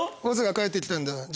オザが帰ってきたんだ。